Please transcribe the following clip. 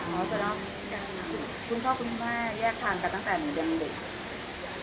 เขาจะเล่าคุณพ่อคุณแม่แยกทางกันตั้งแต่หนูยังเด็ก